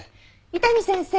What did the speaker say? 伊丹先生